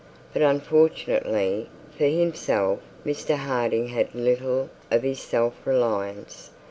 But unfortunately for himself, Mr Harding had little of this self reliance.